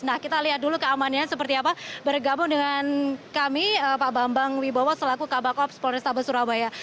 nah kita lihat dulu keamanannya seperti apa bergabung dengan kami pak bambang wibowo selaku kabak ops polrestabes surabaya